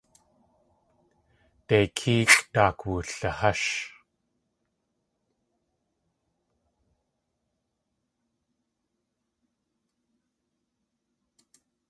Deikéexʼ daak wulihásh.